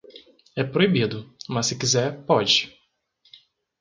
É proibido, mas se quiser, pode.